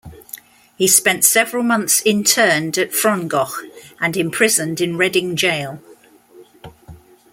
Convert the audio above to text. He spent several months interned at Frongoch and imprisoned in Reading Jail.